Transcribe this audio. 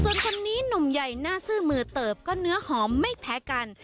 ส่วนคนนี้หนุ่มใหญ่หน้าซื่อมือเติบก็เนื้อหอมไม่แพ้กัน